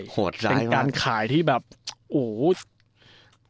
เป็นการขายที่แบบโอ้โห